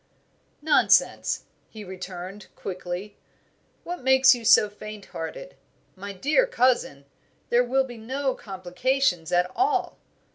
"Nonsense!" he returned, quickly. "What makes you so faint hearted? My dear cousin, there will be no complications at all."